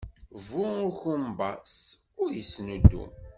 Bu ukumbaṣ ur ittnuddum.